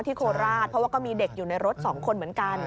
โคราชเพราะว่าก็มีเด็กอยู่ในรถ๒คนเหมือนกัน